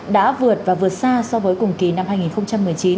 đã vượt và vượt xa so với cùng kỳ năm hai nghìn một mươi chín